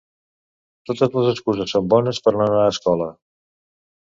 Totes les excuses són bones per no anar a escola.